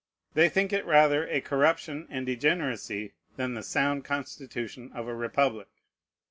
They think it rather the corruption and degeneracy than the sound constitution of a republic.